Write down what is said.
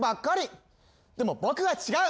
でも僕は違う。